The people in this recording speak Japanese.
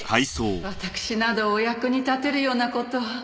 わたくしなどお役に立てるような事は。